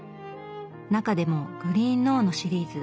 中でも「グリーン・ノウ」のシリーズ